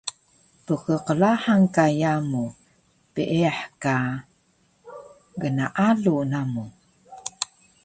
Ppqlahang ka yamu, peeyah ka gnaalu namu